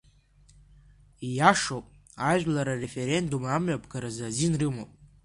Ииашоуп, ажәлар ареферендум амҩаԥгаразы азин рымоуп.